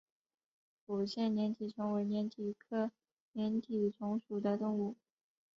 抚仙粘体虫为粘体科粘体虫属的动物。